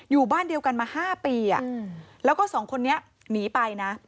อยู่บ้านเดียวกันมา๕ปีแล้วก็สองคนนี้หนีไปนะ